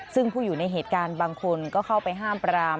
ซึ่งผู้อยู่ในเหตุการณ์บางคนก็เข้าไปห้ามปราม